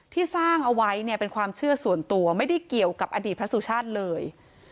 ที่สร้างเอาไว้เนี่ยเป็นความเชื่อส่วนตัวไม่ได้เกี่ยวกับอดีตพระสุชาติเลย